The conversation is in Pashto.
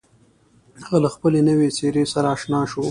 هغه له خپلې نوې څېرې سره اشنا شو.